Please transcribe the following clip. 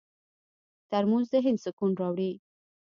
ترموز د ذهن سکون راوړي.